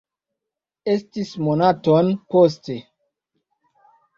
Estis monaton poste.